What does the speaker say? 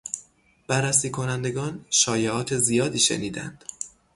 بررسی کنندگان، شایعات زیادی شنیدند.